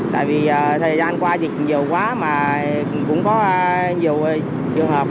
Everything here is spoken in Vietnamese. tại vì thời gian qua thì nhiều quá mà cũng có nhiều trường hợp